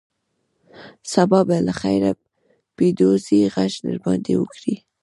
سبا به له خیره پیدوزي غږ در باندې وکړي.